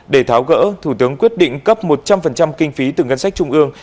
để tháo gỡ thủ tướng quyết định cấp một trăm linh kinh phí từ ngân sách trung ương